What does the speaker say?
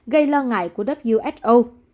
gây lo ngại của who